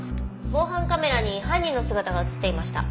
防犯カメラに犯人の姿が映っていました。